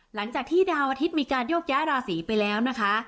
หลังจากที่ดาวอาทิตย์มีการโยกย้ายราศีไปแล้วนะคะ